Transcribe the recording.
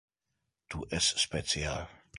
Tu es special.